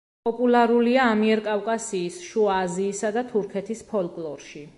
პოპულარულია ამიერკავკასიის, შუა აზიისა და თურქეთის ფოლკლორში.